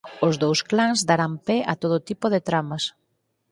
Os dous clans darán pé a todo tipo de tramas.